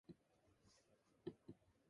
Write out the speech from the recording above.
Most of the vegetation is tropical rainforest.